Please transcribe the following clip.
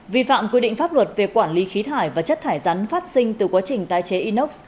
vi phạm quy định pháp luật về quản lý khí thải và chất thải rắn phát sinh từ quá trình tái chế inox